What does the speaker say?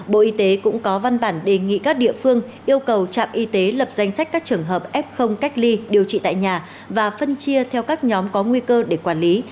bộ y tế cũng có văn bản đề nghị các địa phương yêu cầu trạm y tế lập danh sách các trường hợp f cách ly điều trị tại nhà và phân chia theo các nhóm có nguy cơ để quản lý